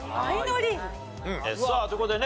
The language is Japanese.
さあという事でね